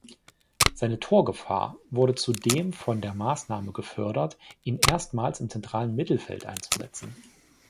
Seine Torgefahr wurde zudem von der Maßnahme gefördert, ihn erstmals im zentralen Mittelfeld einzusetzen.